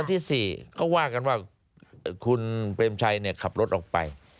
วันที่สี่ก็ว่ากันว่าคุณเบรมชัยเนี่ยขับรถออกไป